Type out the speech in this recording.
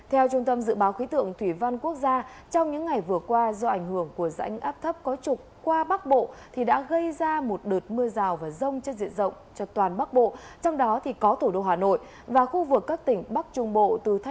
hãy đăng ký kênh để ủng hộ kênh của mình nhé